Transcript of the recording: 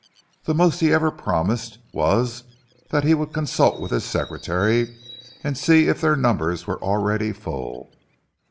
The most he ever promised was that he would consult with his secretary and see if their numbers were already full.